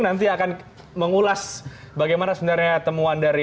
nanti akan mengulas bagaimana sebenarnya temuan dari